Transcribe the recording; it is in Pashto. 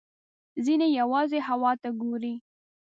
ځینې یوازې هوا ته ګوري.